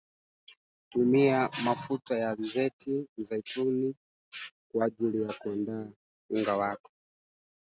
Umoja wa Afrika imesimamisha Uanachama wa Sudan tangu mkuu wa jeshi kuongoza